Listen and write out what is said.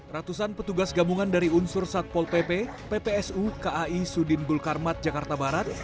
ratusan petugas gabungan dari unsur satpol pp ppsu kai sudin gulkarmat jakarta barat